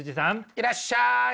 いらっしゃい。